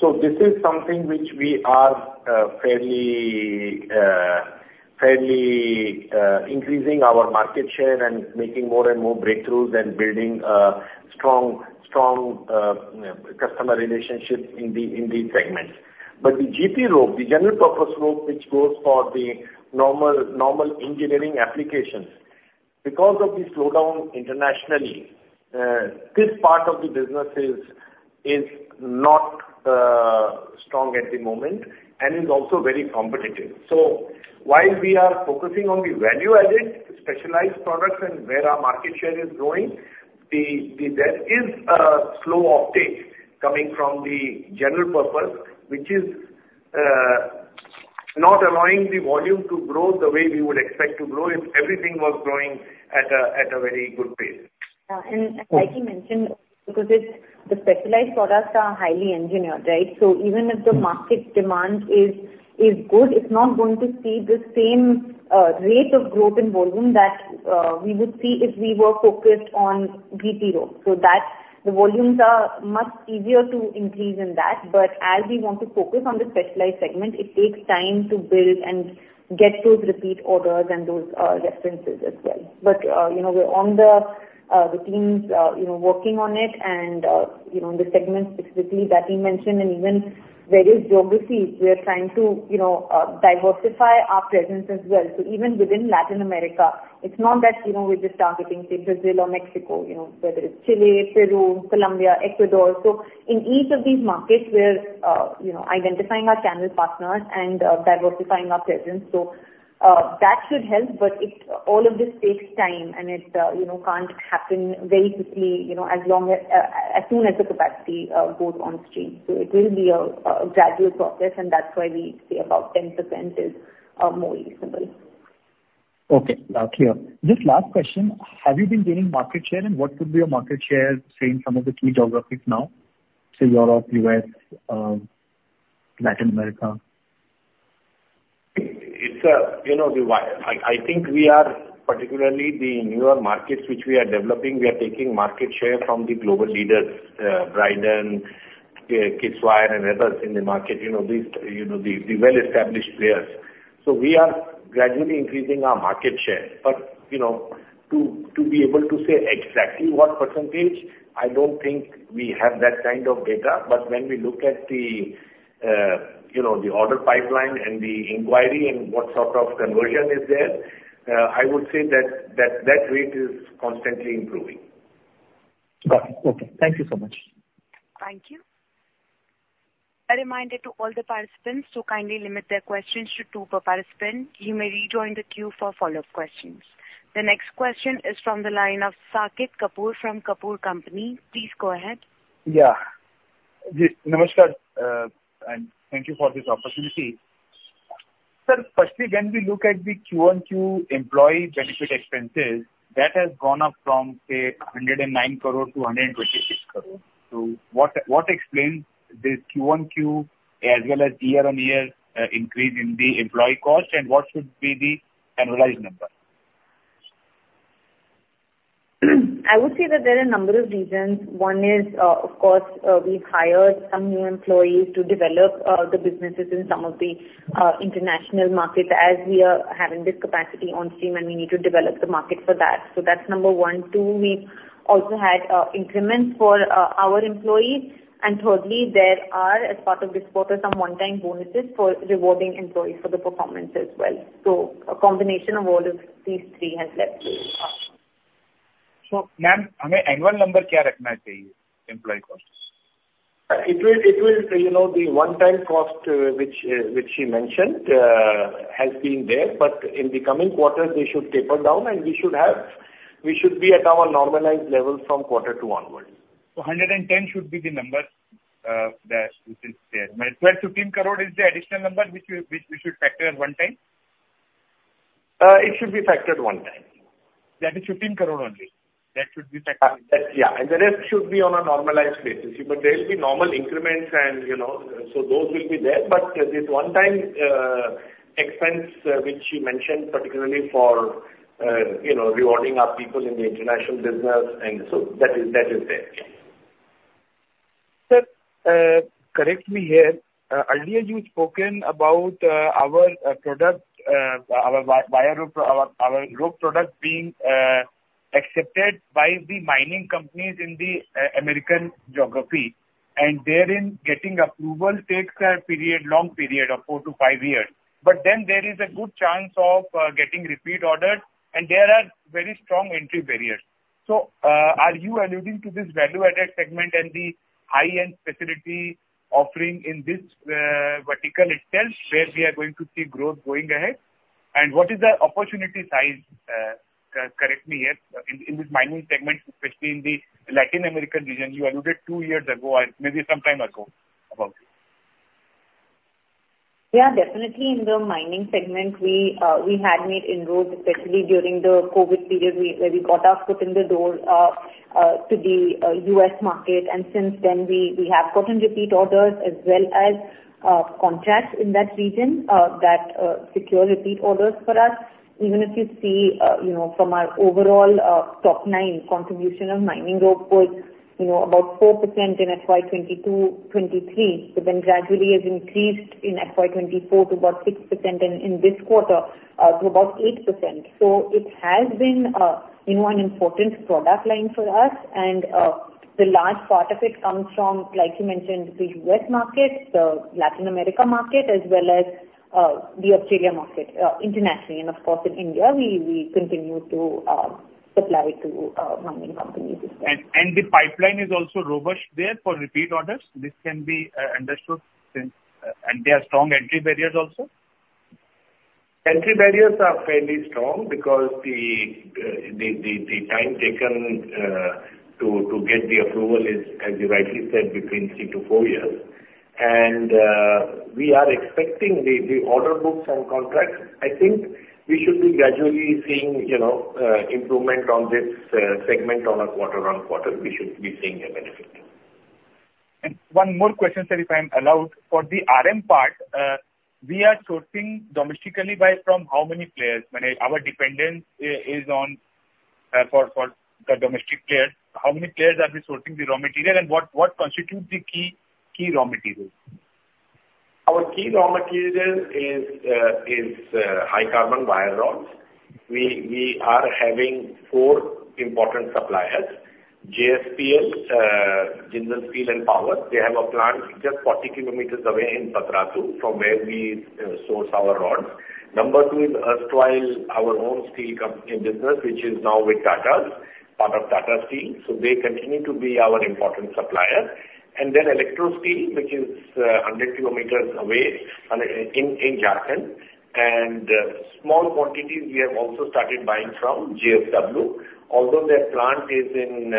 So this is something which we are fairly, fairly increasing our market share and making more and more breakthroughs and building a strong, strong customer relationship in the segments. But the GP rope, the general purpose rope, which goes for the normal, normal engineering applications, because of the slowdown internationally, this part of the business is not strong at the moment and is also very competitive. So while we are focusing on the value-added, specialized products and where our market share is growing, there is a slow uptake coming from the general purpose, which is not allowing the volume to grow the way we would expect to grow if everything was growing at a very good pace. And like he mentioned, because the specialized products are highly engineered, right? So even if the market demand is good, it's not going to see the same rate of growth in volume that we would see if we were focused on GP rope. So the volumes are much easier to increase in that, but as we want to focus on the specialized segment, it takes time to build and get those repeat orders and those references as well. But you know, we're on the teams, you know, working on it and you know in the segments specifically that he mentioned and even various geographies, we are trying to you know diversify our presence as well. So even within Latin America, it's not that, you know, we're just targeting, say, Brazil or Mexico, you know, whether it's Chile, Peru, Colombia, Ecuador. So in each of these markets, we're, you know, identifying our channel partners and, diversifying our presence. So, that should help, but it, all of this takes time, and it, you know, can't happen very quickly, you know, as soon as the capacity goes on stream. So it will be a gradual process, and that's why we say about 10% is, more reasonable.... Okay, clear. Just last question, have you been gaining market share, and what could be your market share, say, in some of the key geographies now, say, Europe, U.S., Latin America? It's, you know, we—I, I think we are particularly the newer markets which we are developing, we are taking market share from the global leaders, Bridon, Kiswire, and others in the market, you know, these, you know, the, the well-established players. So we are gradually increasing our market share. But, you know, to, to be able to say exactly what percentage, I don't think we have that kind of data. But when we look at the, you know, the order pipeline and the inquiry and what sort of conversion is there, I would say that, that, that rate is constantly improving. Got it. Okay, thank you so much. Thank you. A reminder to all the participants to kindly limit their questions to two per participant. You may rejoin the queue for follow-up questions. The next question is from the line of Saket Kapoor from Kapoor Company. Please go ahead. Yeah. Namaskar, and thank you for this opportunity. Sir, firstly, when we look at the Q1Q employee benefit expenses, that has gone up from, say, 109 crore to 126 crore. So what, what explains this Q1Q as well as year-on-year increase in the employee cost, and what should be the annualized number? I would say that there are a number of reasons. One is, of course, we've hired some new employees to develop the businesses in some of the international markets as we are having this capacity on stream, and we need to develop the market for that. So that's number one. Two, we also had increments for our employees. Thirdly, there are, as part of this quarter, some one-time bonuses for rewarding employees for the performance as well. So a combination of all of these three has led to this. Ma'am, annual number employee costs? It will, it will, you know, the one-time cost, which, which she mentioned, has been there, but in the coming quarters, they should taper down, and we should have... We should be at our normalized level from quarter two onwards. 110 should be the number that which is there. 12.15 crore is the additional number which we should factor at one time? It should be factored one time. That is 15 crore only. That should be factored? Yeah, and the rest should be on a normalized basis. But there will be normal increments and, you know, so those will be there. But this one time, expense, which you mentioned, particularly for, you know, rewarding our people in the international business, and so that is, that is there. Sir, correct me here. Earlier you've spoken about, our product, our wire, our rope product being accepted by the mining companies in the American geography, and therein, getting approval takes a period, long period of four to five years. But then there is a good chance of getting repeat orders, and there are very strong entry barriers. So, are you alluding to this value-added segment and the high-end facility offering in this vertical itself, where we are going to see growth going ahead? And what is the opportunity size, correct me here, in this mining segment, especially in the Latin American region, you alluded two years ago, or maybe some time ago, about it. Yeah, definitely in the mining segment, we had made inroads, especially during the COVID period, where we got our foot in the door to the U.S. market. And since then we have gotten repeat orders as well as contracts in that region that secure repeat orders for us. Even if you see, you know, from our overall topline contribution of mining rope was, you know, about 4% in FY 2022-2023, but then gradually has increased in FY 2024 to about 6%, and in this quarter to about 8%. So it has been, you know, an important product line for us. And the large part of it comes from, like you mentioned, the U.S. market, the Latin America market, as well as the Australia market, internationally. Of course, in India, we continue to supply to mining companies as well. The pipeline is also robust there for repeat orders? This can be understood, since and there are strong entry barriers also. Entry barriers are fairly strong because the time taken to get the approval is, as you rightly said, between three to four years. We are expecting the order books and contracts. I think we should be gradually seeing, you know, improvement on this segment on a quarter-on-quarter, we should be seeing a benefit. One more question, sir, if I'm allowed. For the RM part, we are sourcing domestically by from how many players? Maybe our dependence is on, for, for the domestic players. How many players are we sourcing the raw material, and what, what constitutes the key, key raw materials? Our key raw material is high carbon wire rods. We are having four important suppliers:, Jindal Steel & Power. They have a plant just 40 km away in Patratu, from where we source our rods. Number two is erstwhile, our own steel company business, which is now with Tatas, part of Tata Steel, so they continue to be our important supplier. Then Electrosteel, which is 100 km away in Jharkhand. And small quantities we have also started buying from JSW. Although their plant is in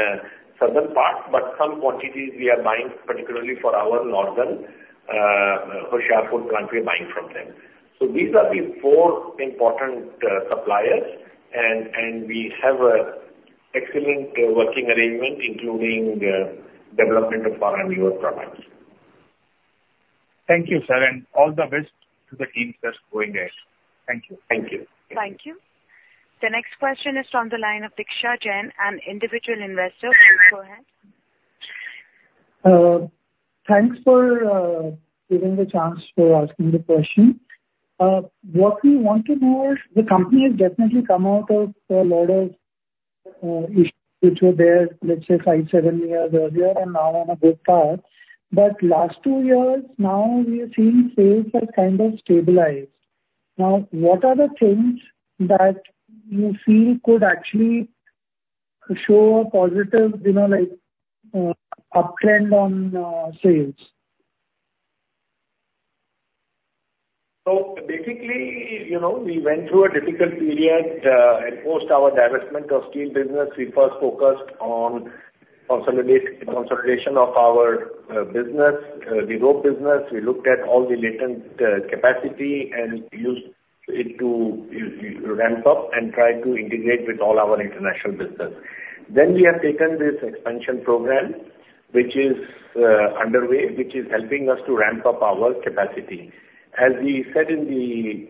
southern part, but some quantities we are buying, particularly for our northern Hoshiarpur plant, we are buying from them. So these are the four important suppliers, and we have excellent working arrangement, including the development of foreign new products. Thank you, sir, and all the best to the teams that's going there. Thank you. Thank you. Thank you. The next question is from the line of Diksha Jain, an individual investor. Please go ahead. Thanks for giving the chance for asking the question. What we want to know is, the company has definitely come out of a lot of issues which were there, let's say, 5, 7 years earlier, and now on a good path. But last 2 years now, we are seeing sales are kind of stabilized. Now, what are the things that you feel could actually show a positive, you know, like, uptrend on, sales? So basically, you know, we went through a difficult period post our divestment of steel business. We first focused on consolidation of our business, the rope business. We looked at all the latent capacity and used it to ramp up and try to integrate with all our international business. Then we have taken this expansion program, which is underway, which is helping us to ramp up our capacity. As we said in the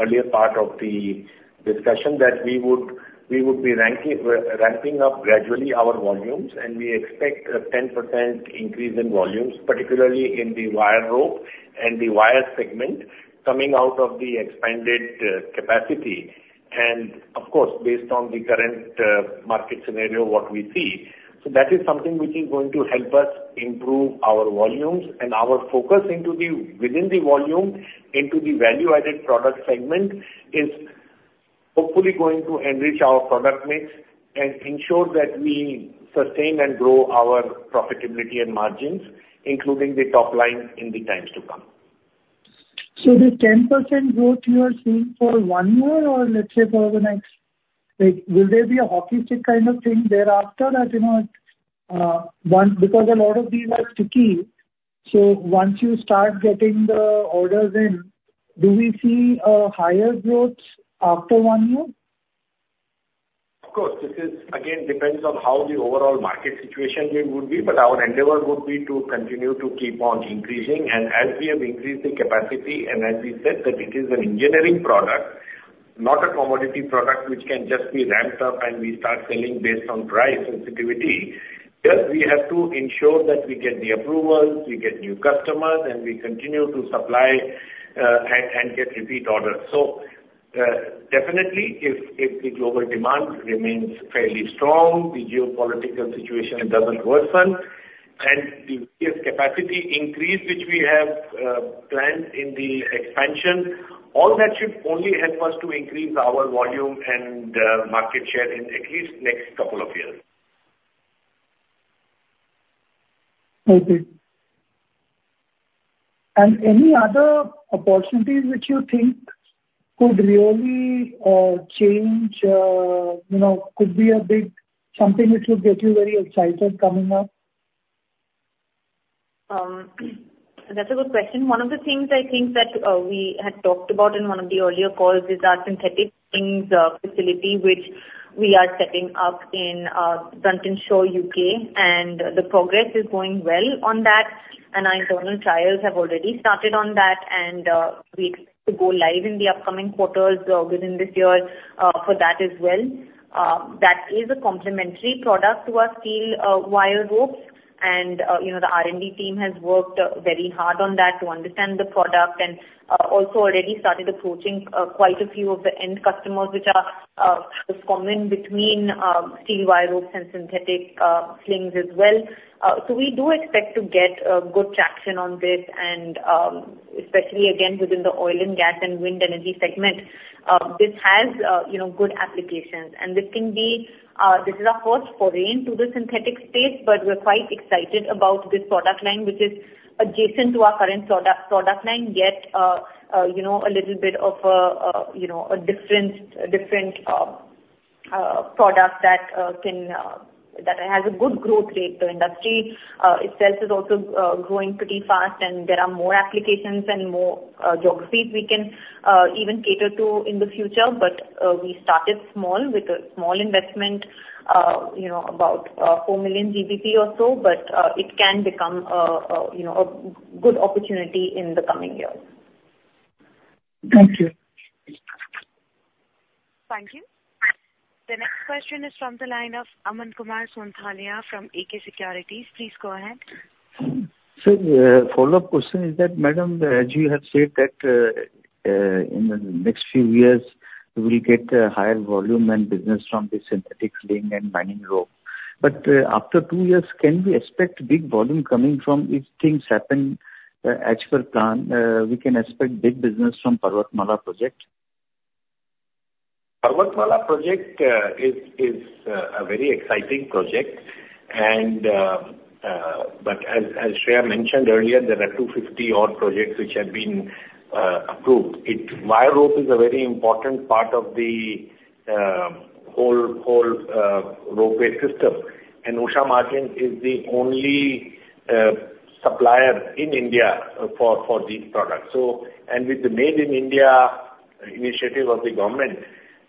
earlier part of the discussion, that we would, we would be ramping up gradually our volumes, and we expect a 10% increase in volumes, particularly in the wire rope and the wire segment coming out of the expanded capacity, and of course, based on the current market scenario, what we see. So, that is something which is going to help us improve our volumes and our focus into the, within the volume, into the value-added product segment, is hopefully going to enrich our product mix and ensure that we sustain and grow our profitability and margins, including the top line in the times to come. So the 10% growth you are seeing for one year, or let's say for the next... Like, will there be a hockey stick kind of thing thereafter, as you know, because a lot of these are sticky, so once you start getting the orders in, do we see a higher growth after one year? Of course, this is again, depends on how the overall market situation here would be, but our endeavor would be to continue to keep on increasing. And as we have increased the capacity, and as we said, that it is an engineering product, not a commodity product, which can just be ramped up and we start selling based on price sensitivity. Thus, we have to ensure that we get the approvals, we get new customers, and we continue to supply and get repeat orders. So, definitely if the global demand remains fairly strong, the geopolitical situation doesn't worsen, and the capacity increase, which we have planned in the expansion, all that should only help us to increase our volume and market share in at least next couple of years. Okay. Any other opportunities which you think could really change, you know, could be a big something which would get you very excited coming up? That's a good question. One of the things I think that we had talked about in one of the earlier calls is our synthetic slings facility, which we are setting up in Bruntingthorpe, U.K., and the progress is going well on that, and our internal trials have already started on that. We expect to go live in the upcoming quarters within this year for that as well. That is a complementary product to our steel wire ropes. You know, the R&D team has worked very hard on that to understand the product and also already started approaching quite a few of the end customers, which are is common between steel wire ropes and synthetic slings as well. So we do expect to get good traction on this. Especially again, within the oil and gas and wind energy segment, this has, you know, good applications. This can be, this is our first foray into the synthetic space, but we're quite excited about this product line, which is adjacent to our current product line, yet, you know, a little bit of, you know, a different product that has a good growth rate. The industry itself is also growing pretty fast, and there are more applications and more geographies we can even cater to in the future. But we started small, with a small investment, you know, about 4 million GBP or so, but it can become a, you know, a good opportunity in the coming years. Thank you. Thank you. The next question is from the line of Aman Kumar Sonthalia from AK Securities. Please go ahead. Follow-up question is that, madam, as you have said that, in the next few years we will get a higher volume and business from the synthetic sling and mining rope. But, after two years, can we expect big volume coming from if things happen, as per plan, we can expect big business from Parvatmala project? Parvatmala project is a very exciting project, and but as Shreya mentioned earlier, there are 250-odd projects which have been approved. Its wire rope is a very important part of the whole ropeway system, and Usha Martin is the only supplier in India for these products. So, and with the Made in India initiative of the government,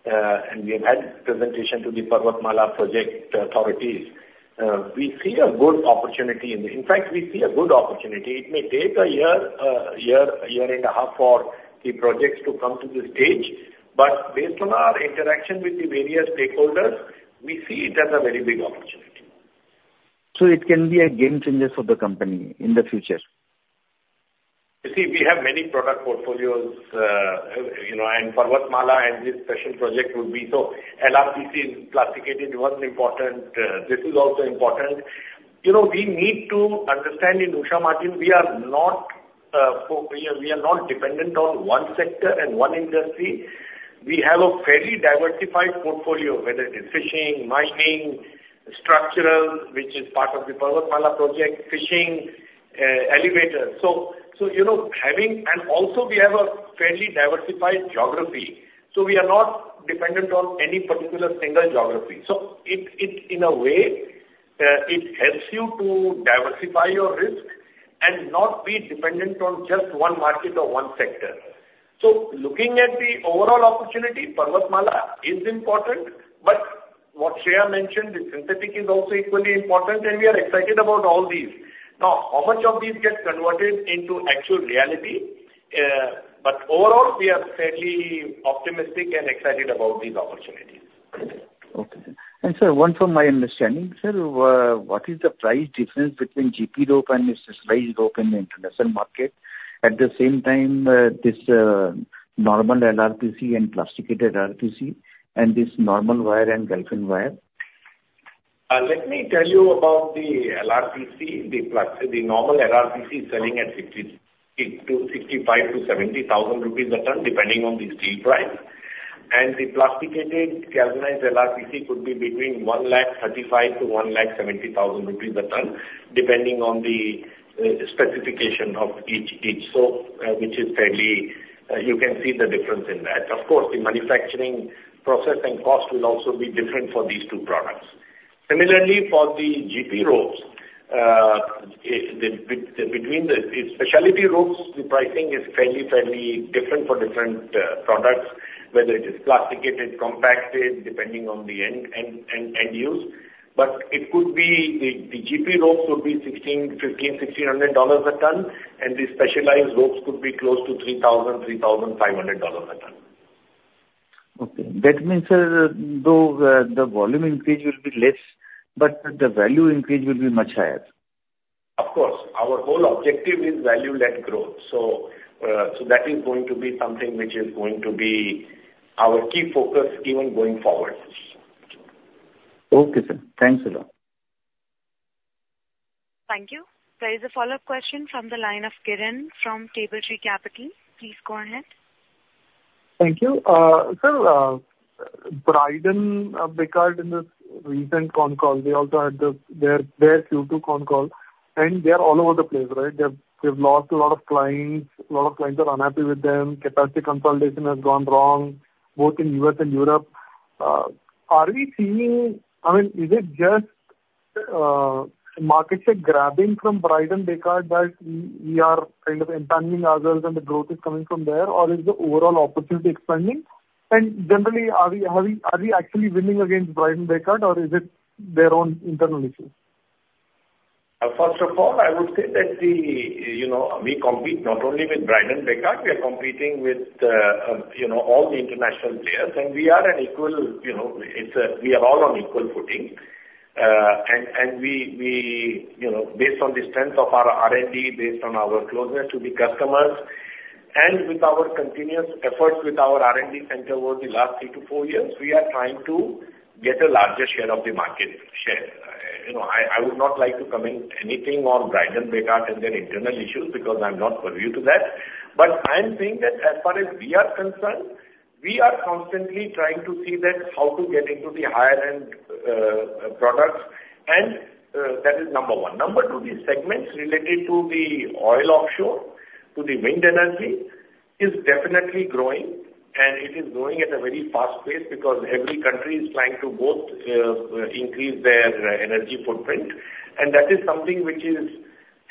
and we have had presentation to the Parvatmala project authorities. We see a good opportunity in this. In fact, we see a good opportunity. It may take a year a year and a half for the projects to come to the stage, but based on our interaction with the various stakeholders, we see it as a very big opportunity. So it can be a game changer for the company in the future? You see, we have many product portfolios, you know, and Parvatmala and this special project will be so LRPC plasticated, one important, this is also important. You know, we need to understand in Usha Martin, we are not dependent on one sector and one industry. We have a fairly diversified portfolio, whether it is fishing, mining, structural, which is part of the Parvatmala project, fishing, elevator. So, you know, and also we have a fairly diversified geography, so we are not dependent on any particular single geography. So it, it, in a way, it helps you to diversify your risk and not be dependent on just one market or one sector. So looking at the overall opportunity, Parvatmala is important, but what Shreya mentioned, the synthetic is also equally important, and we are excited about all these. Now, how much of these get converted into actual reality? But overall, we are fairly optimistic and excited about these opportunities. Okay. Sir, from my understanding, sir, what is the price difference between GP rope and specialized rope in the international market? At the same time, this, normal LRPC and plasticated LRPC, and this normal wire and Galfan wire. Let me tell you about the LRPC. The normal LRPC is selling at 60 to 65 to 70 thousand rupees a ton, depending on the steel price. And the plasticated galvanized LRPC could be between 135,000 to 170,000 rupees a ton, depending on the specification of each. So, which is fairly, you can see the difference in that. Of course, the manufacturing process and cost will also be different for these two products. Similarly, for the GP ropes, between the specialty ropes, the pricing is fairly different for different products, whether it is plasticated, compacted, depending on the end use. But it could be, the GP ropes could be $1,500-$1,600 a ton, and the specialized ropes could be close to $3,000-$3,500 a ton. Okay. That means, though, the volume increase will be less, but the value increase will be much higher. Of course. Our whole objective is value-led growth. So, so that is going to be something which is going to be our key focus even going forward. Okay, sir. Thanks a lot. Thank you. There is a follow-up question from the line of Kiran from Cable Street Capital. Please go ahead. Thank you. Sir, Bridon-Bekaert in the recent con call, they also had the, their Q2 con call, and they are all over the place, right? They've lost a lot of clients. A lot of clients are unhappy with them. Capacity consolidation has gone wrong, both in U.S. and Europe. Are we seeing... I mean, is it just market share grabbing from Bridon-Bekaert that we are kind of expanding ourselves and the growth is coming from there, or is the overall opportunity expanding? And generally, are we actually winning against Bridon-Bekaert, or is it their own internal issue? First of all, I would say that we, you know, we compete not only with Bridon-Bekaert, we are competing with, you know, all the international players, and we are an equal, you know, it's a, we are all on equal footing. You know, based on the strength of our R&D, based on our closeness to the customers, and with our continuous efforts with our R&D center over the last three to four years, we are trying to get a larger share of the market share. You know, I would not like to comment anything on Bridon-Bekaert and their internal issues because I'm not privy to that. But I am saying that as far as we are concerned, we are constantly trying to see that how to get into the higher-end products, and that is number one. Number two, the segments related to the oil and offshore, to the wind energy, is definitely growing, and it is growing at a very fast pace because every country is trying to both increase their energy footprint. And that is something which is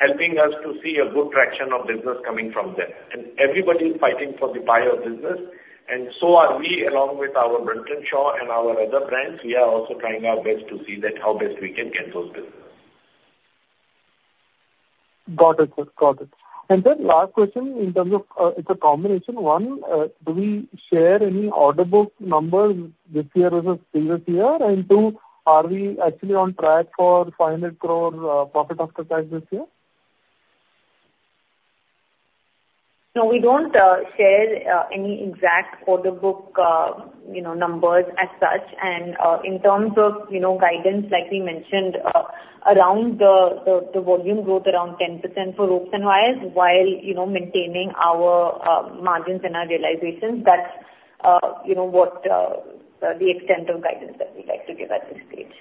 helping us to see a good traction of business coming from there. And everybody is fighting for the pie of business, and so are we along with our Brunton Shaw and our other brands. We are also trying our best to see that how best we can get those businesses. Got it, sir. Got it. And then last question in terms of, it's a combination. One, do we share any order book numbers this year versus previous year? And two, are we actually on track for 500 crore profit after tax this year? No, we don't share any exact order book, you know, numbers as such. And in terms of, you know, guidance, like we mentioned, around the volume growth around 10% for ropes and wires, while you know maintaining our margins and our realizations. That's you know what the extent of guidance that we'd like to give at this stage.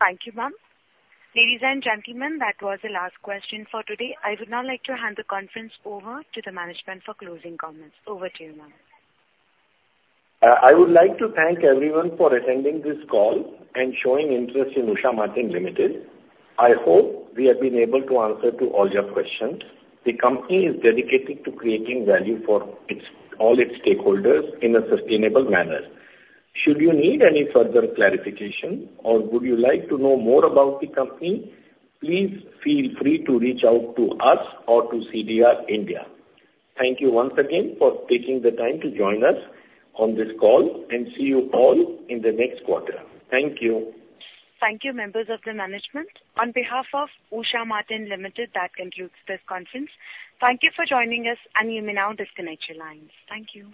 Thank you, ma'am. Ladies and gentlemen, that was the last question for today. I would now like to hand the conference over to the management for closing comments. Over to you, ma'am. I would like to thank everyone for attending this call and showing interest in Usha Martin Limited. I hope we have been able to answer to all your questions. The company is dedicated to creating value for its, all its stakeholders in a sustainable manner. Should you need any further clarification, or would you like to know more about the company, please feel free to reach out to us or to CDR India. Thank you once again for taking the time to join us on this call, and see you all in the next quarter. Thank you. Thank you, members of the management. On behalf of Usha Martin Limited, that concludes this conference. Thank you for joining us, and you may now disconnect your lines. Thank you.